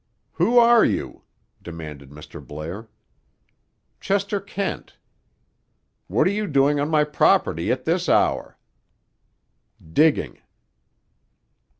"Who are you?" demanded Mr. Blair. "Chester Kent." "What are you doing on my property at this hour?" "Digging."